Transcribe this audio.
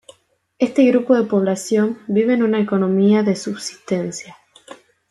Este grupo de población vive en una economía de subsistencia.